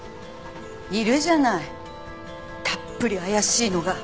いるじゃないたっぷり怪しいのが。